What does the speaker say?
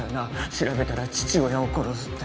調べたら父親を殺すって。